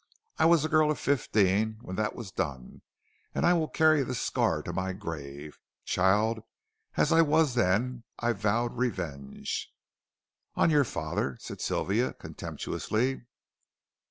I was a girl of fifteen when that was done, and I will carry the scar to my grave. Child as I was then, I vowed revenge " "On your father," said Sylvia, contemptuously.